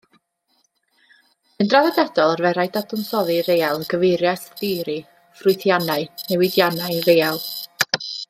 Yn draddodiadol, arferai dadansoddi real gyfeirio at theori ffwythiannau newidynnau real.